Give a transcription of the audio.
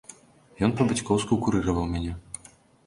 Ён па-бацькоўску курыраваў мяне.